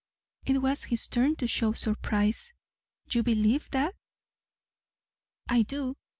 It was his turn to show surprise. "You believe that?" "I do.